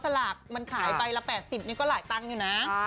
สลากมันขายใบละ๘๐นี่ก็หลายตังค์อยู่นะ